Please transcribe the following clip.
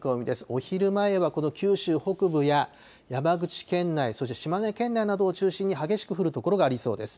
お昼前はこの九州北部や山口県内、そして島根県などを中心に激しく降る所がありそうです。